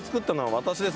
私です